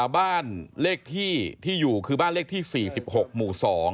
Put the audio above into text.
บ้านเลขที่ที่อยู่คือบ้านเลขที่๔๖หมู่๒